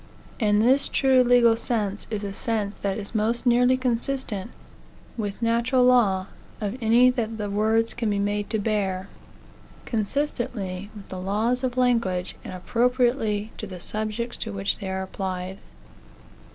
And this true legal sense is the sense that is most nearly consistent with natural law of any that the words can be made to bear, consistently with the laws of language, and appropriately to the subjects to which they are applied.